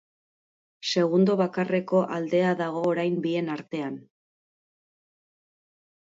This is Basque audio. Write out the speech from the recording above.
Segundo bakarreko aldea dago orain bien artean.